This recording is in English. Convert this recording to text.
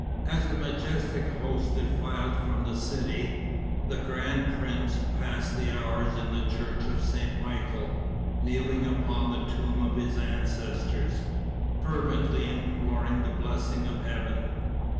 As the majestic host defiled from the city, the grand prince passed the hours in the church of Saint Michael, kneeling upon the tomb of his ancestors, fervently imploring the blessing of Heaven.